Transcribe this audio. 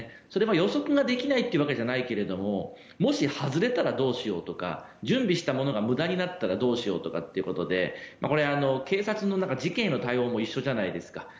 それは予測ができないというわけじゃないけれどももし外れたらどうしようとか準備したものが無駄になったらどうしようっていうことでこれは、警察の事件への対応も一緒じゃないですか。